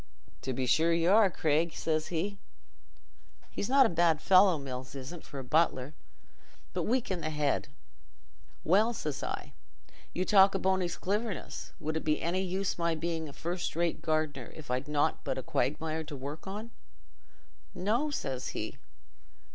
'To be sure y' are, Craig,' says he—he's not a bad fellow, Mills isn't, for a butler, but weak i' the head. 'Well,' says I, 'you talk o' Bony's cliverness; would it be any use my being a first rate gardener if I'd got nought but a quagmire to work on?' 'No,' says he.